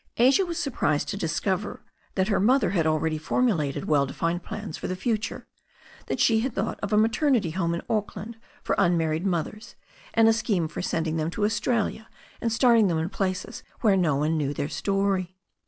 Asia was surprised to discover that her mother had already formulated well defined plans for the future, that she had thought of a maternity home in Auckland for unmarried mothers, and a scheme for send ing them to Australia and starting them in places where no one knew their story.